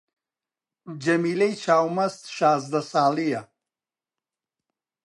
جەمیلەی چاو مەست شازدە ساڵی یە